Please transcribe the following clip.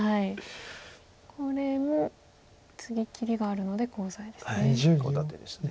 これも次切りがあるのでコウ材ですね。